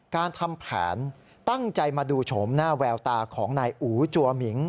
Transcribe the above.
การทำแผนตั้งใจมาดูโฉมหน้าแววตาของนายอู๋จัวหมิง